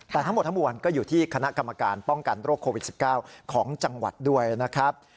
แต่ทั้งหมดทั้งมวลก็อยู่ที่คณะกรรมการป้องกันโรคโควิด๑๙ของจังหวัดด้วยนะครับ